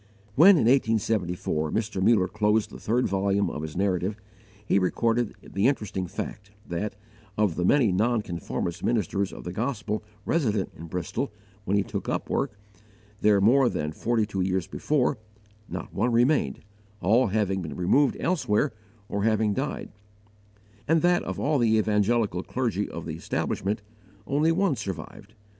When, in 1874, Mr. Muller closed the third volume of his Narrative, he recorded the interesting fact that, of the many nonconformist ministers of the gospel resident in Bristol when he took up work there more than forty two years before, not one remained, all having been removed elsewhere or having died; and that, of all the Evangelical clergy of the establishment, only one survived.